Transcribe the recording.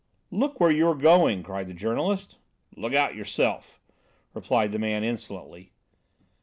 "Look where you're going!" cried the journalist. "Look out yourself," replied the man insolently.